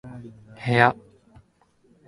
部屋